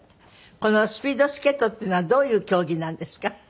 このスピードスケートっていうのはどういう競技なんですか？